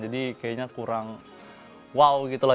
jadi kayaknya kurang wow gitu lah